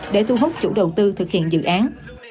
để thu hút chủ đầu tư thực hiện dự án